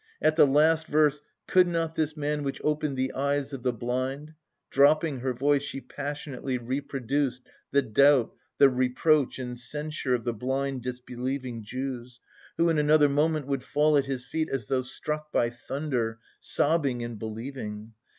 At the last verse "Could not this Man which opened the eyes of the blind..." dropping her voice she passionately reproduced the doubt, the reproach and censure of the blind disbelieving Jews, who in another moment would fall at His feet as though struck by thunder, sobbing and believing....